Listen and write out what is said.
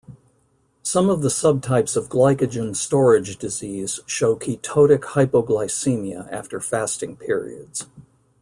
Some of the subtypes of Glycogen storage disease show ketotic hypoglycemia after fasting periods.